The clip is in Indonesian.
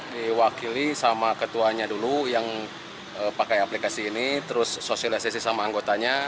diwakili sama ketuanya dulu yang pakai aplikasi ini terus sosialisasi sama anggotanya